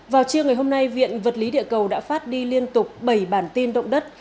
vào chiều ngày hôm nay viện vật lý địa cầu đã phát đi liên tục bảy bản tin động đất